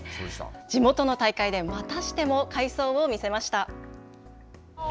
地元の大会でまたしても快走を見せました。